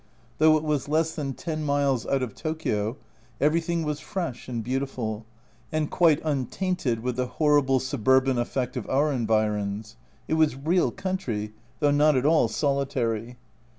Though it was less than 10 miles out of Tokio, everything was fresh and beautiful, and quite untainted with the horrible suburban effect of our environs it was real country, though not at all solitary.